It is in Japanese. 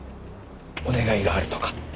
お願いがあるとか。